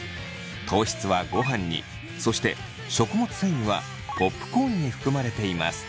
糖質はごはんにそして食物繊維はポップコーンに含まれています。